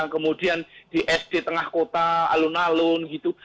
kemudian di sd tengah kota alun alun gitu